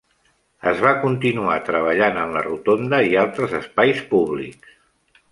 Es va continuar treballant en la rotonda i altres espais públics.